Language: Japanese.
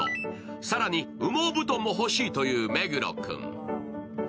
更に羽毛布団も欲しいという目黒君。